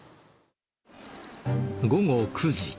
午後９時。